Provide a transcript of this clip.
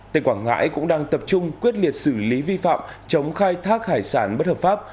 tỉnh quảng ngãi cũng đang tập trung quyết liệt xử lý vi phạm chống khai thác hải sản bất hợp pháp